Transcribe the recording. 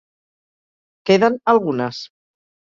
Queden algunes.